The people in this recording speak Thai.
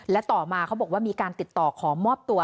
และต่อมาเขาบอกว่ามีการติดต่อขอมอบตัว